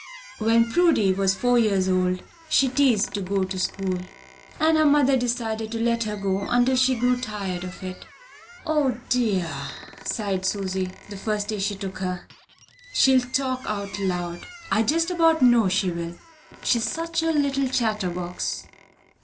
When Prudy was four years old, she teased to go to school, and her mother decided to let her go until she grew tired of it. "O, dear!" sighed Susy, the first day she took her; "she'll talk out loud, I just about know she will, she's such a little chatter box."